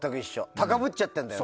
高ぶっちゃってるのね。